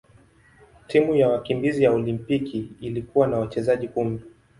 Timu ya wakimbizi ya Olimpiki ilikuwa na wachezaji kumi.